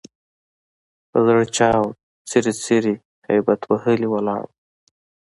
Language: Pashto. په زړه چاود، څیري څیري هبیت وهلي ولاړ وو.